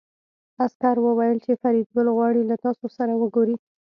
عسکر وویل چې فریدګل غواړي له تاسو سره وګوري